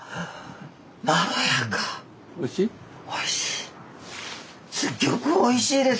おいしい？